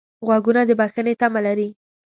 غوږونه د بښنې تمه لري